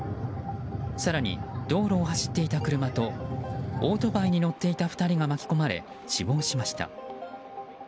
更に、道路を走っていた車とオートバイに乗っていた２人が巻き込まれ死亡しました。